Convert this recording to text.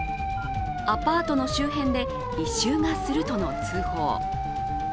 アパートの周辺で異臭がするとの通報。